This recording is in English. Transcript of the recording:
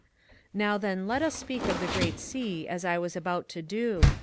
... Now then let us speak of the Great Sea as I was about to do.